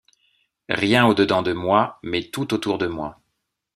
Rien au dedans de moi, mais tout autour de moi.